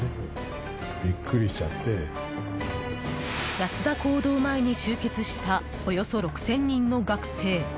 安田講堂前に集結したおよそ６０００人の学生。